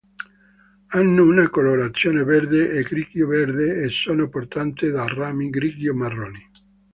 Hanno una colorazione verde o grigio-verde e sono portate da rami grigio-marroni.